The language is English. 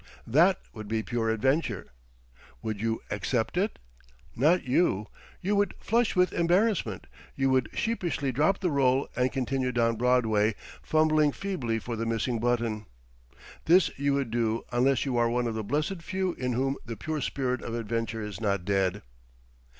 That would be pure adventure. Would you accept it? Not you. You would flush with embarrassment; you would sheepishly drop the roll and continue down Broadway, fumbling feebly for the missing button. This you would do unless you are one of the blessed few in whom the pure spirit of adventure is not dead.